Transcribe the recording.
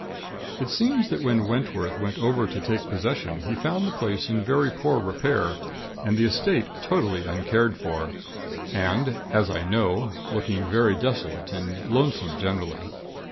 "It seems that when Wentworth went over to take possession, he found the place in very poor repair, and the estate totally uncared for, and, as I know, looking very desolate and lonesome generally.